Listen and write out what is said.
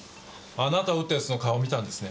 あなたを撃った奴の顔を見たんですね？